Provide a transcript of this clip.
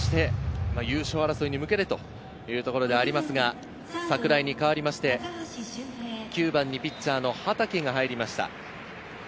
優勝争いに向けてというところではありますが、桜井に代わりまして、９番にピッチャーの畠が入りました。